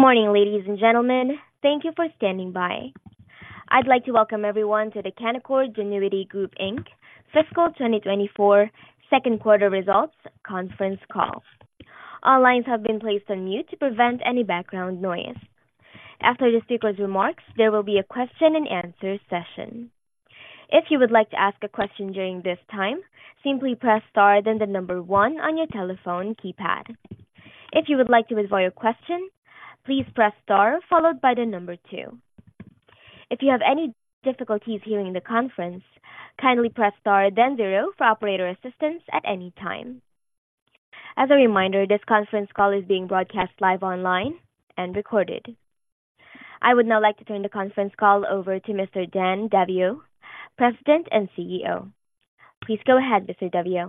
Good morning, ladies and gentlemen. Thank you for standing by. I'd like to welcome everyone to the Canaccord Genuity Group Inc. Fiscal 2024 second quarter results conference call. All lines have been placed on mute to prevent any background noise. After the speaker's remarks, there will be a question and answer session. If you would like to ask a question during this time, simply press star, then the number one on your telephone keypad. If you would like to withdraw your question, please press star followed by the number two. If you have any difficulties hearing the conference, kindly press star then zero for operator assistance at any time. As a reminder, this conference call is being broadcast live online and recorded. I would now like to turn the conference call over to Mr. Dan Daviau, President and CEO. Please go ahead, Mr. Daviau.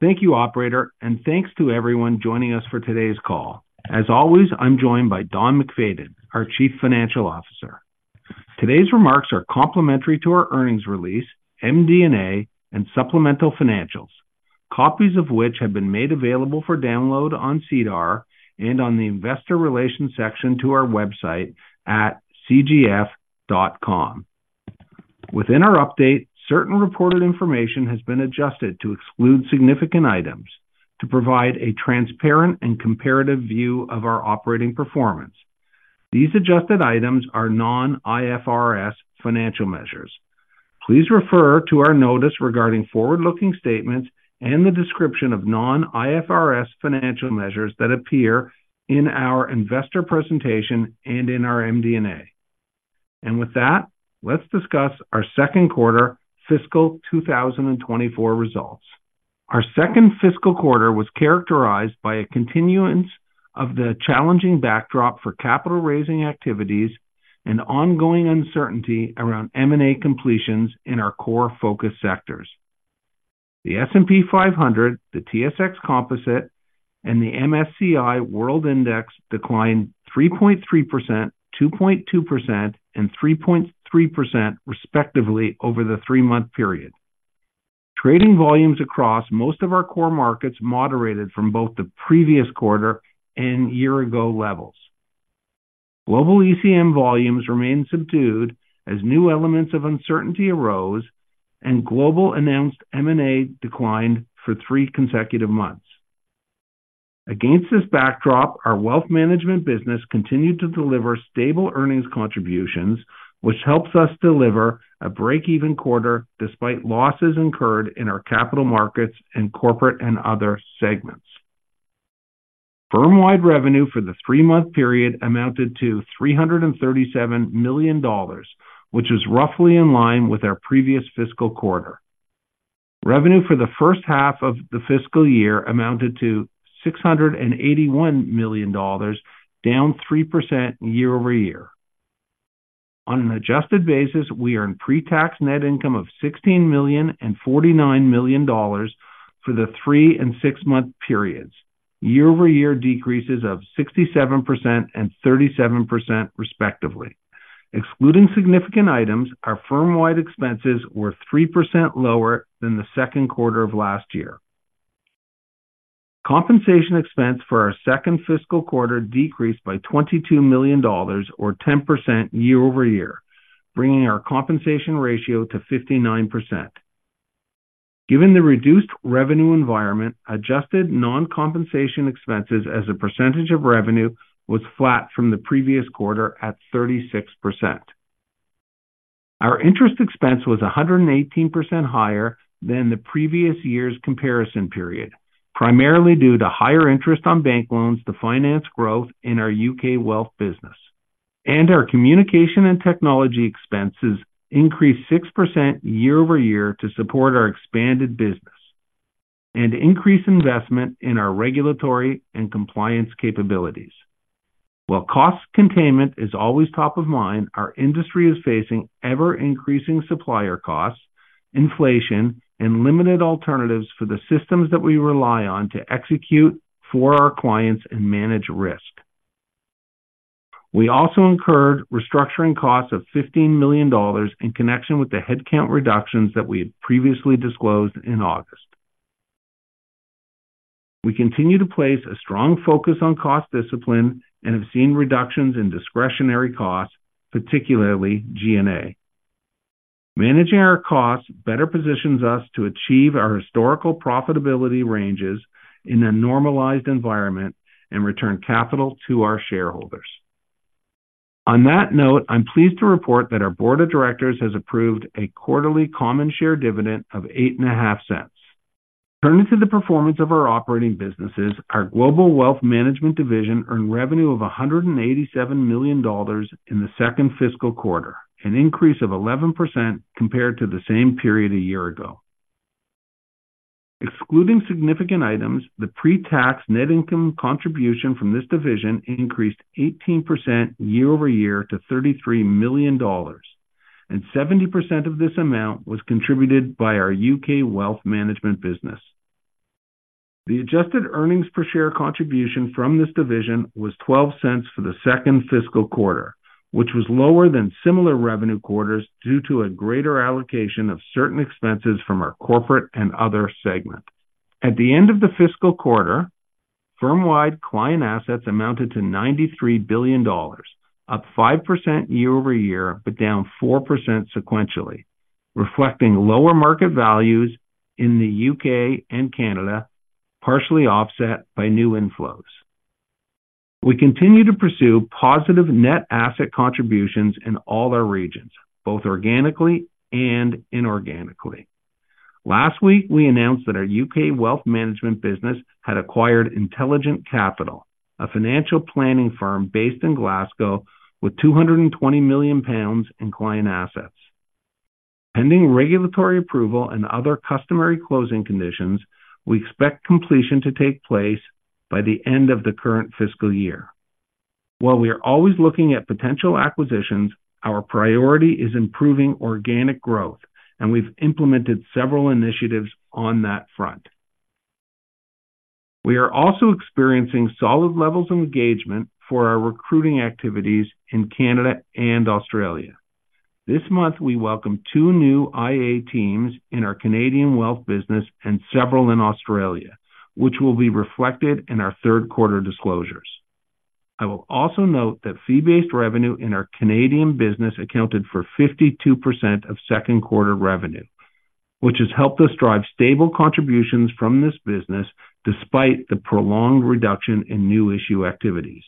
Thank you, operator, and thanks to everyone joining us for today's call. As always, I'm joined by Don MacFayden, our Chief Financial Officer. Today's remarks are complementary to our earnings release, MD&A, and supplemental financials, copies of which have been made available for download on SEDAR and on the investor relations section to our website at cgf.com. Within our update, certain reported information has been adjusted to exclude significant items to provide a transparent and comparative view of our operating performance. These adjusted items are non-IFRS financial measures. Please refer to our notice regarding forward-looking statements and the description of non-IFRS financial measures that appear in our investor presentation and in our MD&A. With that, let's discuss our second quarter fiscal 2024 results. Our second fiscal quarter was characterized by a continuance of the challenging backdrop for capital raising activities and ongoing uncertainty around M&A completions in our core focus sectors. The S&P 500, the S&P/TSX Composite Index, and the MSCI World Index declined 3.3%, 2.2%, and 3.3%, respectively, over the three-month period. Trading volumes across most of our core markets moderated from both the previous quarter and year-ago levels. Global ECM volumes remained subdued as new elements of uncertainty arose, and global announced M&A declined for three consecutive months. Against this backdrop, our wealth management business continued to deliver stable earnings contributions, which helps us deliver a break-even quarter, despite losses incurred in our capital markets and corporate and other segments. Firm-wide revenue for the three-month period amounted to $337 million, which is roughly in line with our previous fiscal quarter. Revenue for the first half of the fiscal year amounted to $681 million, down 3% year over year. On an adjusted basis, we earned pre-tax net income of $16 million and $49 million for the three- and six-month periods, year-over-year decreases of 67% and 37%, respectively. Excluding significant items, our firm-wide expenses were 3% lower than the second quarter of last year. Compensation expense for our second fiscal quarter decreased by $22 million, or 10% year over year, bringing our compensation ratio to 59%. Given the reduced revenue environment, adjusted non-compensation expenses as a percentage of revenue was flat from the previous quarter at 36%. Our interest expense was 118% higher than the previous year's comparison period, primarily due to higher interest on bank loans to finance growth in our U.K. wealth business. Our communication and technology expenses increased 6% year-over-year to support our expanded business and increase investment in our regulatory and compliance capabilities. While cost containment is always top of mind, our industry is facing ever-increasing supplier costs, inflation, and limited alternatives for the systems that we rely on to execute for our clients and manage risk. We also incurred restructuring costs of $15 million in connection with the headcount reductions that we had previously disclosed in August. We continue to place a strong focus on cost discipline and have seen reductions in discretionary costs, particularly G&A. Managing our costs better positions us to achieve our historical profitability ranges in a normalized environment and return capital to our shareholders. On that note, I'm pleased to report that our board of directors has approved a quarterly common share dividend of 0.085. Turning to the performance of our operating businesses, our global wealth management division earned revenue of $187 million in the second fiscal quarter, an increase of 11% compared to the same period a year ago. Excluding significant items, the pre-tax net income contribution from this division increased 18% year-over-year to $33 million, and 70% of this amount was contributed by our U.K. wealth management business. The adjusted earnings per share contribution from this division was 0.12 for the second fiscal quarter.... which was lower than similar revenue quarters due to a greater allocation of certain expenses from our corporate and other segment. At the end of the fiscal quarter, firm-wide client assets amounted to $93 billion, up 5% year-over-year, but down 4% sequentially, reflecting lower market values in the U.K. and Canada, partially offset by new inflows. We continue to pursue positive net asset contributions in all our regions, both organically and inorganically. Last week, we announced that our U.K. wealth management business had acquired Intelligent Capital, a financial planning firm based in Glasgow, with 220 million pounds in client assets. Pending regulatory approval and other customary closing conditions, we expect completion to take place by the end of the current fiscal year. While we are always looking at potential acquisitions, our priority is improving organic growth, and we've implemented several initiatives on that front. We are also experiencing solid levels of engagement for our recruiting activities in Canada and Australia. This month, we welcome two new IA teams in our Canadian wealth business and several in Australia, which will be reflected in our third quarter disclosures. I will also note that fee-based revenue in our Canadian business accounted for 52% of second quarter revenue, which has helped us drive stable contributions from this business despite the prolonged reduction in new issue activities.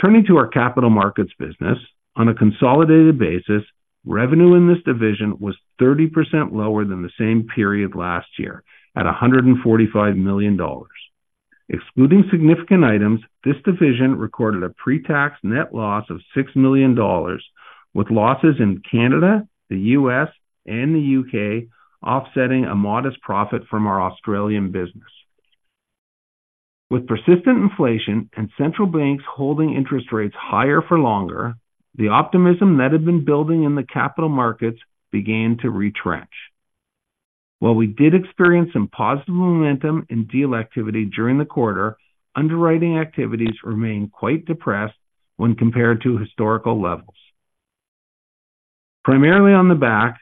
Turning to our capital markets business, on a consolidated basis, revenue in this division was 30% lower than the same period last year, at $145 million. Excluding significant items, this division recorded a pre-tax net loss of $6 million, with losses in Canada, the U.S., and the U.K., offsetting a modest profit from our Australian business. With persistent inflation and central banks holding interest rates higher for longer, the optimism that had been building in the capital markets began to retrench. While we did experience some positive momentum in deal activity during the quarter, underwriting activities remained quite depressed when compared to historical levels. Primarily on the back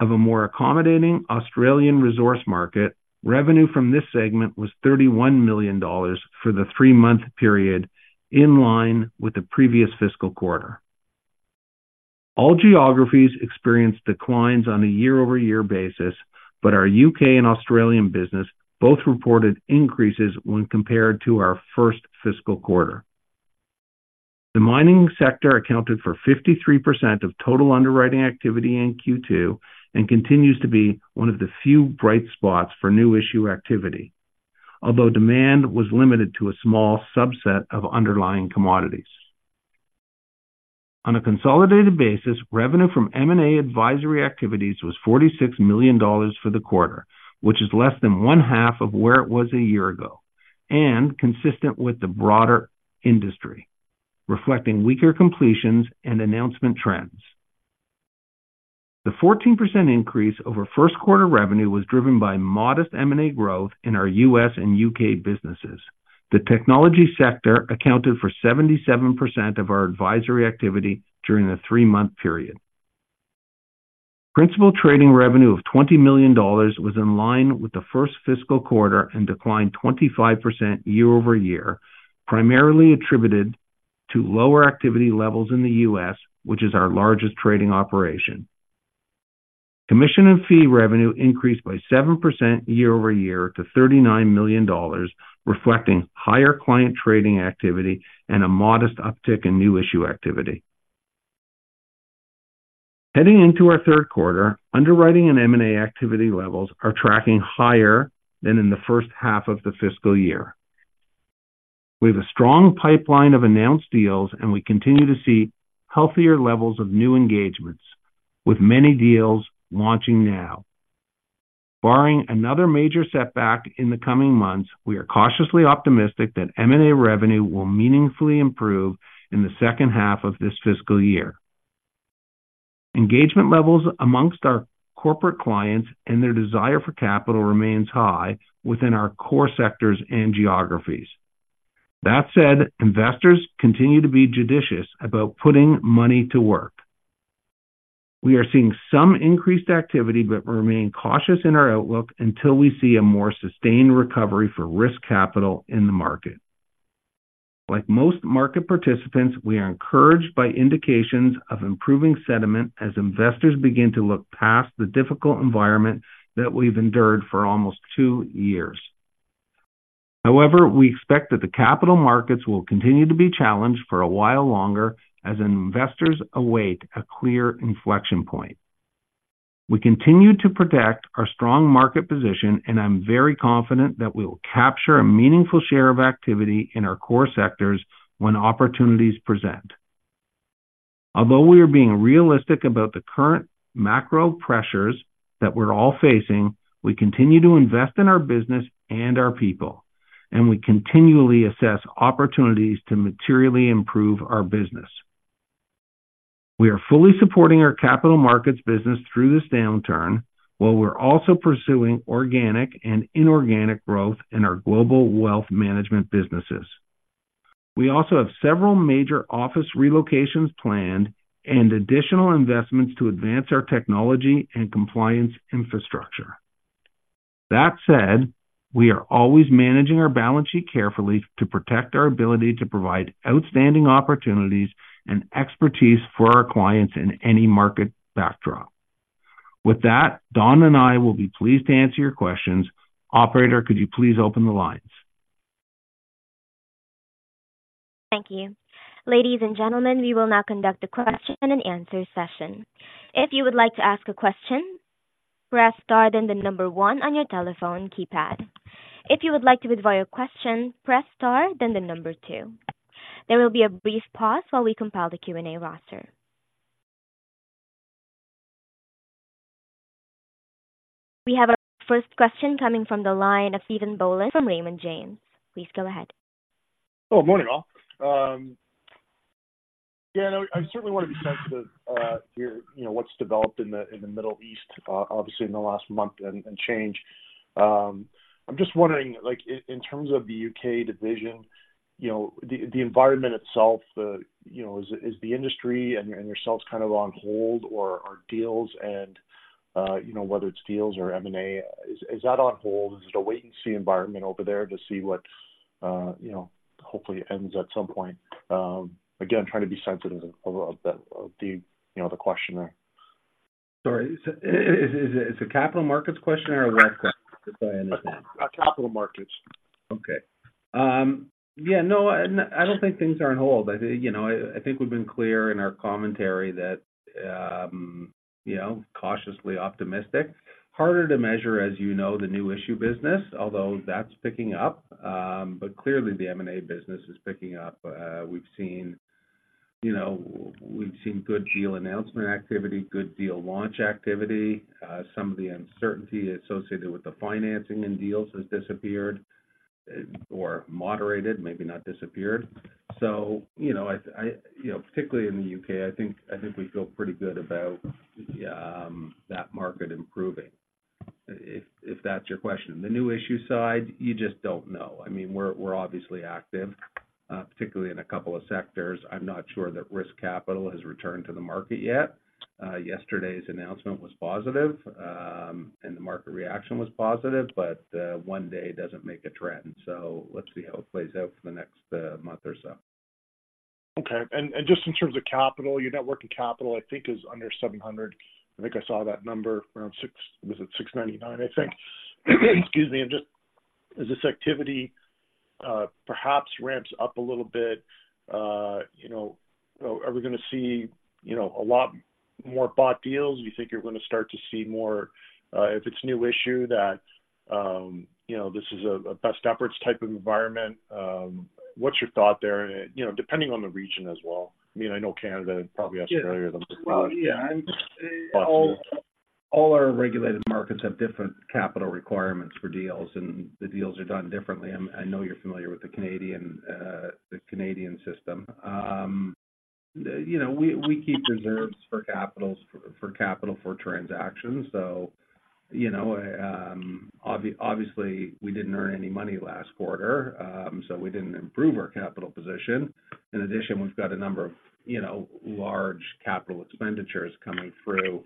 of a more accommodating Australian resource market, revenue from this segment was $31 million for the three-month period, in line with the previous fiscal quarter. All geographies experienced declines on a year-over-year basis, but our U.K. and Australian business both reported increases when compared to our first fiscal quarter. The mining sector accounted for 53% of total underwriting activity in Q2, and continues to be one of the few bright spots for new issue activity, although demand was limited to a small subset of underlying commodities. On a consolidated basis, revenue from M&A advisory activities was $46 million for the quarter, which is less than one half of where it was a year ago, and consistent with the broader industry, reflecting weaker completions and announcement trends. The 14% increase over first quarter revenue was driven by modest M&A growth in our U.S. and U.K. businesses. The technology sector accounted for 77% of our advisory activity during the three-month period. Principal trading revenue of 20 million dollars was in line with the first fiscal quarter and declined 25% year-over-year, primarily attributed to lower activity levels in the U.S., which is our largest trading operation. Commission and fee revenue increased by 7% year-over-year to $39 million, reflecting higher client trading activity and a modest uptick in new issue activity. Heading into our third quarter, underwriting and M&A activity levels are tracking higher than in the first half of the fiscal year. We have a strong pipeline of announced deals, and we continue to see healthier levels of new engagements, with many deals launching now. Barring another major setback in the coming months, we are cautiously optimistic that M&A revenue will meaningfully improve in the second half of this fiscal year. Engagement levels among our corporate clients and their desire for capital remains high within our core sectors and geographies. That said, investors continue to be judicious about putting money to work. We are seeing some increased activity, but remain cautious in our outlook until we see a more sustained recovery for risk capital in the market. Like most market participants, we are encouraged by indications of improving sentiment as investors begin to look past the difficult environment that we've endured for almost two years. However, we expect that the capital markets will continue to be challenged for a while longer as investors await a clear inflection point. We continue to protect our strong market position, and I'm very confident that we will capture a meaningful share of activity in our core sectors when opportunities present. Although we are being realistic about the current macro pressures that we're all facing, we continue to invest in our business and our people, and we continually assess opportunities to materially improve our business.... We are fully supporting our capital markets business through this downturn, while we're also pursuing organic and inorganic growth in our global wealth management businesses. We also have several major office relocations planned and additional investments to advance our technology and compliance infrastructure. That said, we are always managing our balance sheet carefully to protect our ability to provide outstanding opportunities and expertise for our clients in any market backdrop. With that, Don and I will be pleased to answer your questions. Operator, could you please open the lines? Thank you. Ladies and gentlemen, we will now conduct a question-and-answer session. If you would like to ask a question, press star, then the number one on your telephone keypad. If you would like to withdraw your question, press star, then the number two. There will be a brief pause while we compile the Q&A roster. We have our first question coming from the line of Stephen Boland from Raymond James. Please go ahead. Oh, morning, all. Yeah, no, I certainly want to be sensitive to, you know, what's developed in the Middle East, obviously in the last month and change. I'm just wondering, like in terms of the U.K. division, you know, the environment itself, you know, is the industry and yourselves kind of on hold or are deals and, you know, whether it's deals or M&A, is that on hold? Is it a wait-and-see environment over there to see what, you know, hopefully ends at some point? Again, I'm trying to be sensitive of the question there. Sorry, so is it a Capital Markets question or a West Coast, if I understand? Capital Markets. Okay. Yeah, no, I don't think things are on hold. I think, you know, I think we've been clear in our commentary that, you know, cautiously optimistic. Harder to measure, as you know, the new issue business, although that's picking up. But clearly the M&A business is picking up. We've seen, you know, we've seen good deal announcement activity, good deal launch activity. Some of the uncertainty associated with the financing in deals has disappeared or moderated, maybe not disappeared. So, you know, I, you know, particularly in the U.K., I think we feel pretty good about that market improving, if that's your question. The new issue side, you just don't know. I mean, we're obviously active, particularly in a couple of sectors. I'm not sure that risk capital has returned to the market yet. Yesterday's announcement was positive, and the market reaction was positive, but one day doesn't make a trend, so let's see how it plays out for the next month or so. Okay. And just in terms of capital, your net working capital, I think, is under 700. I think I saw that number around six... Was it 699, I think? Excuse me. And just as this activity perhaps ramps up a little bit, you know, are we going to see, you know, a lot more bought deals? Do you think you're going to start to see more, if it's new issue that, you know, this is a best efforts type of environment? What's your thought there? You know, depending on the region as well. I mean, I know Canada probably has earlier than- Well, yeah. All our regulated markets have different capital requirements for deals, and the deals are done differently. I know you're familiar with the Canadian system. You know, we keep reserves for capital for transactions. So, you know, obviously, we didn't earn any money last quarter, so we didn't improve our capital position. In addition, we've got a number of, you know, large capital expenditures coming through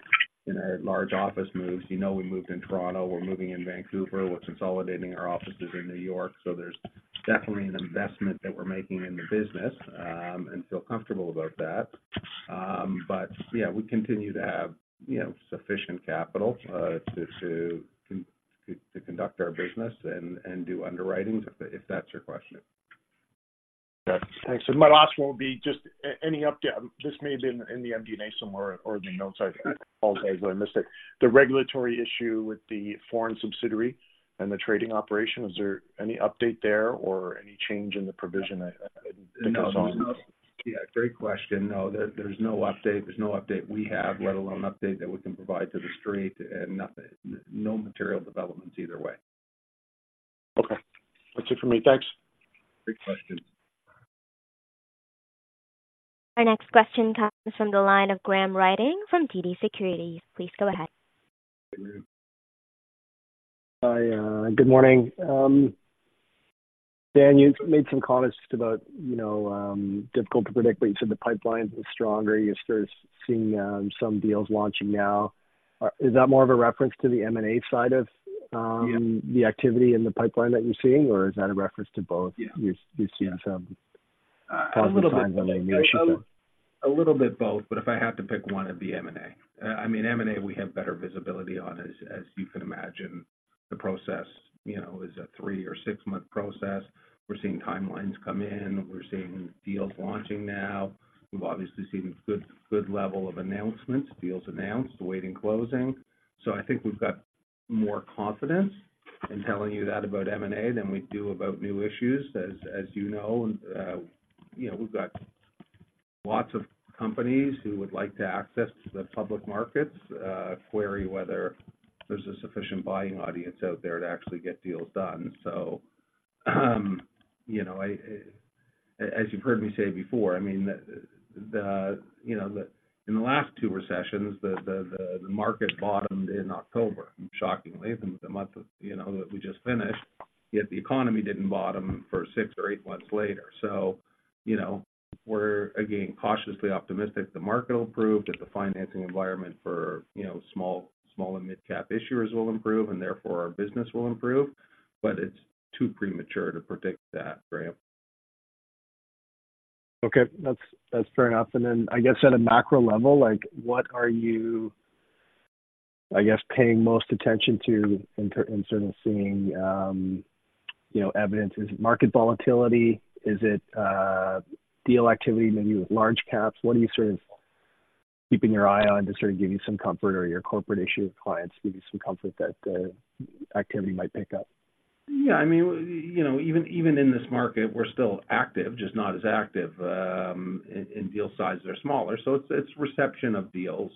in large office moves. You know, we moved in Toronto, we're moving in Vancouver, we're consolidating our offices in New York. So there's definitely an investment that we're making in the business, and feel comfortable about that. But yeah, we continue to have, you know, sufficient capital to conduct our business and do underwriting, if that's your question. Thanks. And my last one will be just any update. This may have been in the MD&A somewhere or in the notes. I apologize if I missed it. The regulatory issue with the foreign subsidiary and the trading operation, is there any update there or any change in the provision? I didn't pick this up. Yeah, great question. No, there's no update. There's no update we have, let alone update that we can provide to the street. Nothing. No material developments either way. Okay. That's it for me. Thanks. Great question. Our next question comes from the line of Graham Ryding from TD Securities. Please go ahead. Hi, good morning. Dan, you made some comments just about, you know, difficult to predict, but you said the pipeline is stronger. You're seeing some deals launching now. Is that more of a reference to the M&A side of, Yeah... the activity in the pipeline that you're seeing? Or is that a reference to both- Yeah. You, you've seen some positive signs on the new issue? A little bit both, but if I have to pick one, it'd be M&A. I mean, M&A, we have better visibility on, as you can imagine, the process, you know, is a three or six month process. We're seeing timelines come in. We're seeing deals launching now. We've obviously seen good level of announcements, deals announced, awaiting closing. So I think we've got more confidence in telling you that about M&A than we do about new issues. As you know, you know, we've got lots of companies who would like to access the public markets, query whether there's a sufficient buying audience out there to actually get deals done. So-... you know, as you've heard me say before, I mean, you know, in the last two recessions, the market bottomed in October, shockingly, the month of, you know, that we just finished, yet the economy didn't bottom for six or eight months later. So, you know, we're again cautiously optimistic the market will improve, that the financing environment for, you know, small and midcap issuers will improve, and therefore our business will improve. But it's too premature to predict that, Graham. Okay, that's, that's fair enough. And then I guess at a macro level, like, what are you, I guess, paying most attention to in terms of seeing, you know, evidence? Is it market volatility? Is it, deal activity, maybe with large caps? What are you sort of keeping your eye on to sort of give you some comfort or your corporate issuer clients give you some comfort that, activity might pick up? Yeah, I mean, you know, even in this market, we're still active, just not as active. And deal sizes are smaller, so it's reception of deals,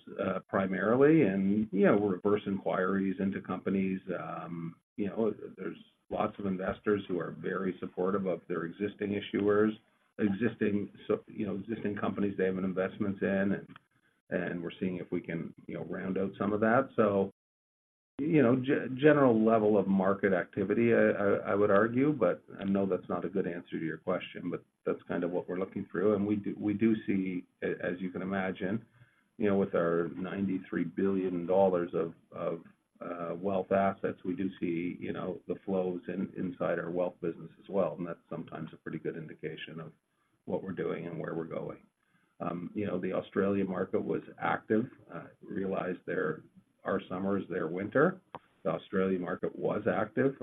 primarily. And, you know, we're reverse inquiries into companies. You know, there's lots of investors who are very supportive of their existing issuers, existing, you know, existing companies they have investments in, and we're seeing if we can, you know, round out some of that. So, you know, general level of market activity, I would argue, but I know that's not a good answer to your question, but that's kind of what we're looking through. We do see, as you can imagine, you know, with our $93 billion of wealth assets, we do see, you know, the flows inside our wealth business as well, and that's sometimes a pretty good indication of what we're doing and where we're going. You know, the Australia market was active. I realize our summer is their winter. The Australia market was active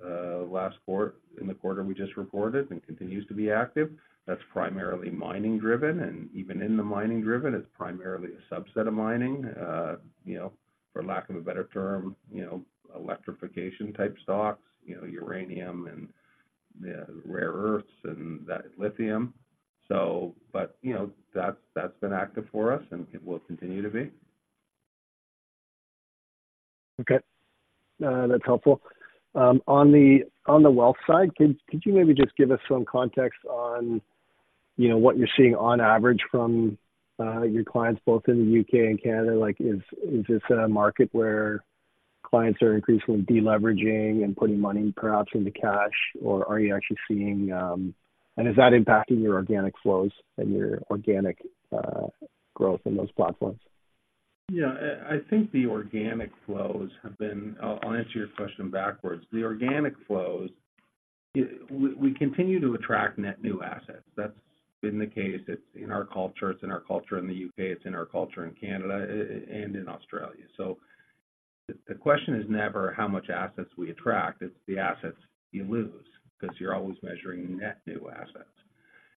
last quarter, in the quarter we just reported and continues to be active. That's primarily mining driven, and even in the mining driven, it's primarily a subset of mining, you know, for lack of a better term, you know, electrification type stocks, you know, uranium and rare earths and that lithium. So, but, you know, that's been active for us, and it will continue to be. Okay, that's helpful. On the wealth side, could you maybe just give us some context on, you know, what you're seeing on average from your clients, both in the U.K. and Canada? Like, is this a market where clients are increasingly deleveraging and putting money perhaps into cash, or are you actually seeing... And is that impacting your organic flows and your organic growth in those platforms? Yeah, I think the organic flows have been... I'll answer your question backwards. The organic flows, we continue to attract net new assets. That's been the case. It's in our culture, it's in our culture in the U.K., it's in our culture in Canada, and in Australia. So the question is never how much assets we attract, it's the assets you lose, because you're always measuring net new assets.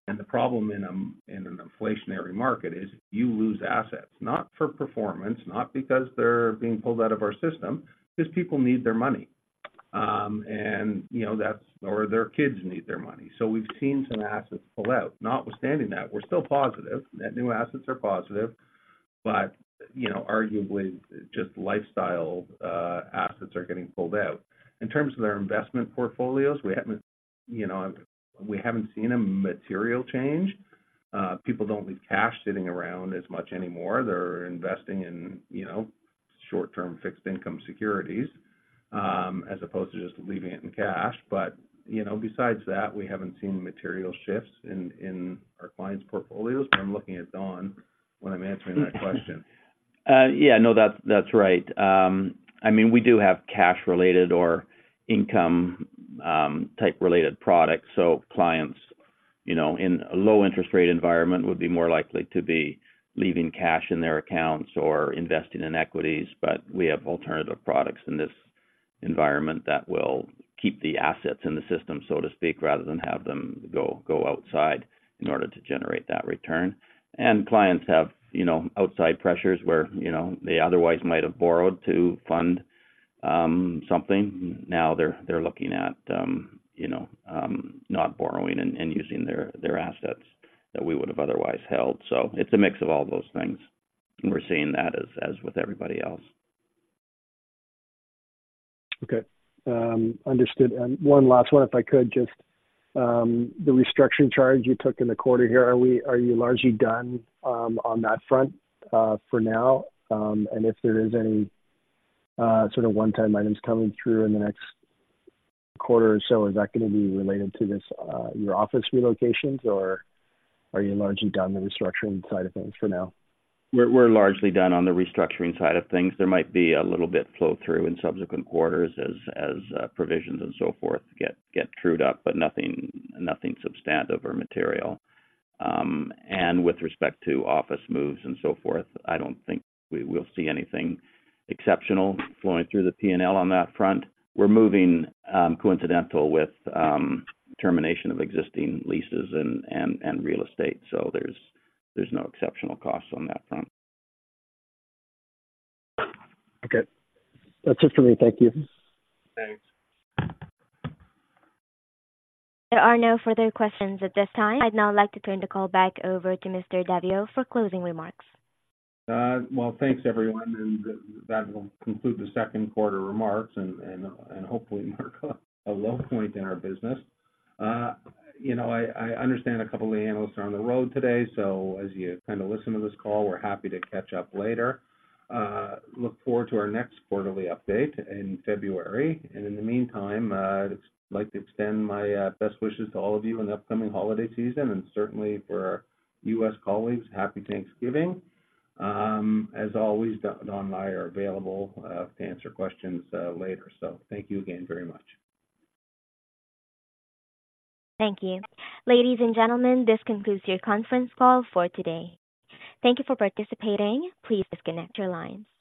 And the problem in an inflationary market is you lose assets, not for performance, not because they're being pulled out of our system, because people need their money. And, you know, that's, or their kids need their money. So we've seen some assets pull out. Notwithstanding that, we're still positive. Net new assets are positive, but, you know, arguably just lifestyle assets are getting pulled out. In terms of their investment portfolios, we haven't, you know, we haven't seen a material change. People don't leave cash sitting around as much anymore. They're investing in, you know, short-term fixed income securities, as opposed to just leaving it in cash. But, you know, besides that, we haven't seen material shifts in our clients' portfolios. I'm looking at Don when I'm answering that question. Yeah, no, that's right. I mean, we do have cash-related or income, type related products. So clients, you know, in a low interest rate environment, would be more likely to be leaving cash in their accounts or investing in equities. But we have alternative products in this environment that will keep the assets in the system, so to speak, rather than have them go outside in order to generate that return. And clients have, you know, outside pressures where, you know, they otherwise might have borrowed to fund something. Now they're looking at, you know, not borrowing and using their assets that we would have otherwise held. So it's a mix of all those things, and we're seeing that as with everybody else. Okay, understood. And one last one, if I could, just the restructuring charge you took in the quarter here. Are you largely done on that front for now? And if there is any sort of one-time items coming through in the next quarter or so, is that going to be related to this, your office relocations, or are you largely done the restructuring side of things for now? We're largely done on the restructuring side of things. There might be a little bit flow through in subsequent quarters as provisions and so forth get trued up, but nothing, nothing substantive or material. And with respect to office moves and so forth, I don't think we will see anything exceptional flowing through the P&L on that front. We're moving coincidental with termination of existing leases and real estate, so there's no exceptional costs on that front. Okay. That's it for me. Thank you. Thanks. There are no further questions at this time. I'd now like to turn the call back over to Mr. Daviau for closing remarks. Well, thanks, everyone, and that will conclude the second quarter remarks and hopefully mark a low point in our business. You know, I understand a couple of the analysts are on the road today, so as you kind of listen to this call, we're happy to catch up later. Look forward to our next quarterly update in February. In the meantime, I'd like to extend my best wishes to all of you in the upcoming holiday season and certainly for our U.S. colleagues, Happy Thanksgiving. As always, Don and I are available to answer questions later. So thank you again very much. Thank you. Ladies and gentlemen, this concludes your conference call for today. Thank you for participating. Please disconnect your lines.